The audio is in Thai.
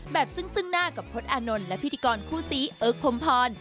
ซึ่งหน้ากับพจน์อานนท์และพิธีกรคู่ซีเอิร์กพรมพร